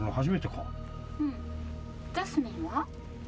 うんジャスミンは？